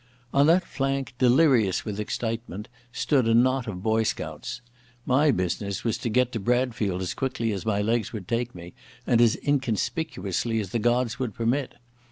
On that flank, delirious with excitement, stood a knot of boy scouts. My business was to get to Bradfield as quick as my legs would take me, and as inconspicuously as the gods would permit.